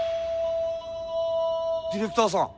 ディレクターさん！？